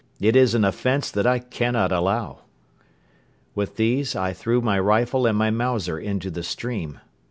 It is an offence that I cannot allow." With these words I threw my rifle and my Mauser into the stream.